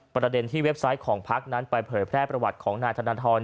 ประเด็นที่เว็บไซต์ของพักนั้นไปเผยแพร่ประวัติของนายธนทร